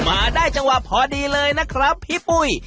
มาได้จังหวะพอดีเลยนะครับพี่ปุ้ย